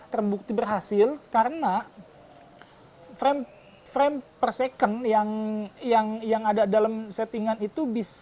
terbukti berhasil karena frame per second yang ada dalam settingan itu bisa